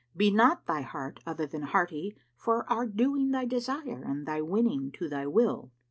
Be not thy heart other than hearty for our doing thy desire and thy winning to thy will."